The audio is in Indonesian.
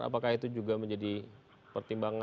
apakah itu juga menjadi pertimbangan